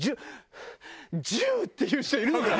「１０！」って言う人いるのかな？